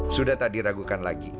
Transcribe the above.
sudah tak diragukan lagi